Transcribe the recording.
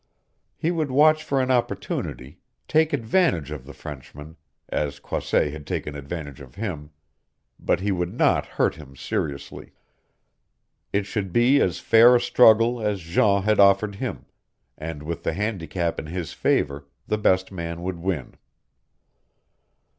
He would watch for an opportunity, take advantage of the Frenchman, as Croisset had taken advantage of him, but he would not hurt him seriously. It should be as fair a struggle as Jean had offered him, and with the handicap in his favor the best man would win.